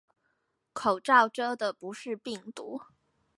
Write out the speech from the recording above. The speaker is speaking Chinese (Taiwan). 口罩遮的不是病毒